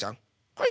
はい。